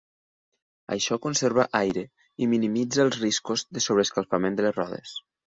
Això conserva aire i minimitza els riscos de sobreescalfament de les rodes.